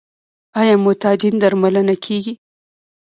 آیا معتادین درملنه کیږي؟